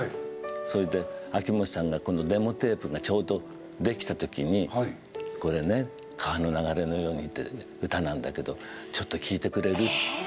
それで秋元さんがこのデモテープがちょうどできた時に「これね『川の流れのように』って歌なんだけどちょっと聴いてくれる？」っつって。